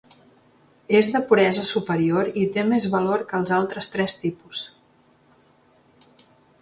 És de puresa superior i té més valor que els altres tres tipus.